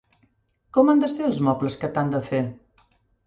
Com han de ser els mobles que t'han de fer?